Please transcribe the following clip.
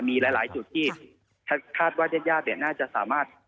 มีหลายจุดที่คาดว่ายัดยาดน่าจะสามารถ